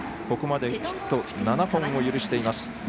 ここまでヒット７本を許しています。